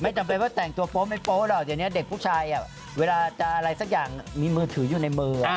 จำเป็นว่าแต่งตัวโป๊ไม่โป๊ะหรอกเดี๋ยวนี้เด็กผู้ชายเวลาจะอะไรสักอย่างมีมือถืออยู่ในมือ